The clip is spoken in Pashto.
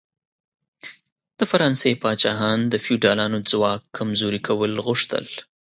د فرانسې پاچاهان د فیوډالانو ځواک کمزوري کول غوښتل.